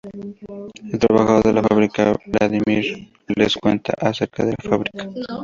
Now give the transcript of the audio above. El trabajador de la fábrica, Vladimir, les cuenta acerca de la fábrica.